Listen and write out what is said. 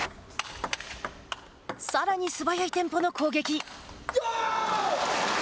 さらに素早いテンポの攻撃。